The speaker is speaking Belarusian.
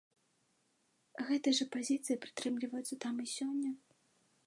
Гэтай жа пазіцыі прытрымліваюцца там і сёння.